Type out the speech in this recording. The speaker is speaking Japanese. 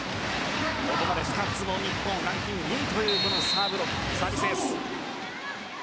ここまでスタッツも日本、ランキング２位というサービスエース。